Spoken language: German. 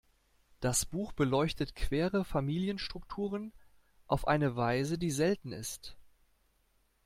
Das Buch beleuchtet queere Familienstrukturen auf eine Weise, die selten ist.